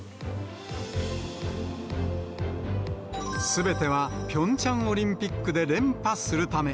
すべてはピョンチャンオリンピックで連覇するため。